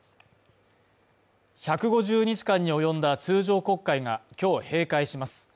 １５０日間に及んだ通常国会が今日閉会します。